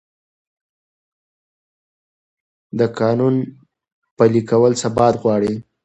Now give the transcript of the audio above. د قانون پلي کول ثبات غواړي